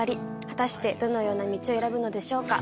果たしてどのような道を選ぶのでしょうか。